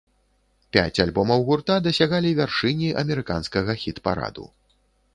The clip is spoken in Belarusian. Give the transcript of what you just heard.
Пяць альбомаў гурта дасягалі вяршыні амерыканскага хіт-параду.